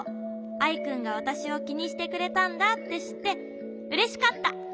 アイくんがわたしをきにしてくれたんだってしってうれしかった。